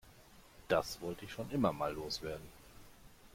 Das wollte ich schon immer mal loswerden.